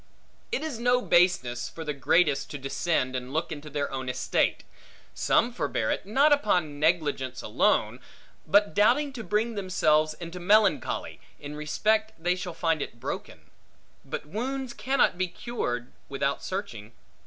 It is no baseness, for the greatest to descend and look into their own estate. Some forbear it, not upon negligence alone, but doubting to bring themselves into melancholy, in respect they shall find it broken. But wounds cannot be cured without searching.